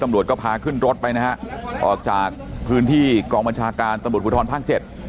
ตำรวจก็พาขึ้นรถไปนะฮะออกจากพื้นที่กองบัญชาการตำรวจภูทรภาคเจ็ด